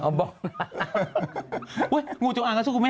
เธอนี่มันแว้งทุกวัน